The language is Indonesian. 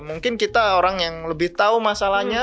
mungkin kita orang yang lebih tahu masalahnya